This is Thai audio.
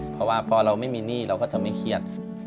เพราะว่าพอเราไม่มีหนี้เราก็จะไม่เครียด